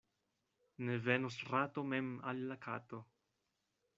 Ne venos rato mem al la kato.